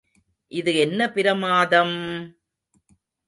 இது என்ன பிரமாதம்!